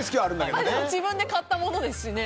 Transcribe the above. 自分で買ったものですしね。